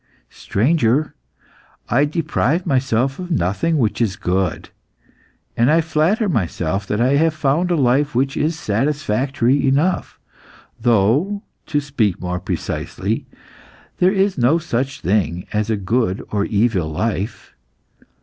"Stranger, I deprive myself of nothing which is good, and I flatter myself that I have found a life which is satisfactory enough, though to speak more precisely there is no such thing as a good or evil life.